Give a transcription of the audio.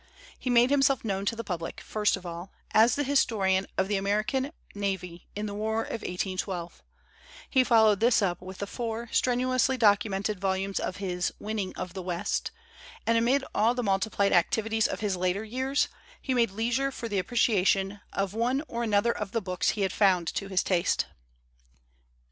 He made himself known to the public, first of all, as the historian of the American navy in the War of 1812; he followed this up with the four strenuously documented volumes of his 'Winning of the West'; and amid all the multiplied activities of his later years he made leisure for the appreciation of one or another of the books he had found to his taste.